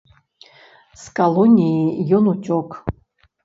З калоніі ён уцёк.